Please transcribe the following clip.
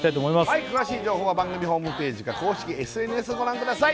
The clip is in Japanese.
はい詳しい情報は番組ホームページか公式ＳＮＳをご覧ください